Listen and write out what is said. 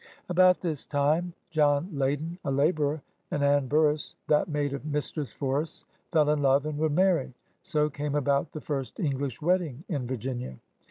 About this time John Laydon, a laborer, and Anne Burras, that maid of Mistress Forest's, fell in love and would marry. So came about the first English wading in Virginia.